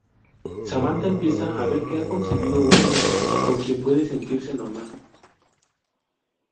Samantha empieza a ver que ha conseguido una amiga con quien puede sentirse normal.